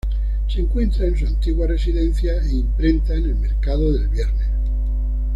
Se encuentra en su antigua residencia e imprenta en el Mercado del Viernes.